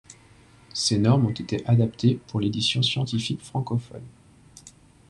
Ces normes ont été adaptées pour l'édition scientifique francophone.